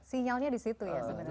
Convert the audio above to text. sinyalnya disitu ya sebenarnya